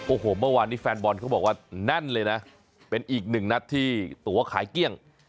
โอ้โหเมื่อวานนี้แฟนบอลเขาบอกว่าแน่นเลยนะเป็นอีกหนึ่งนัดที่ตัวขายเกลี้ยง